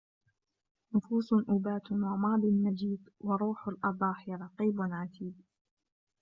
نفـوسٌ أبـاةٌ ومـاضٍ مجيـدْ وروحُ الأضاحي رقيبٌ عَـتيدْ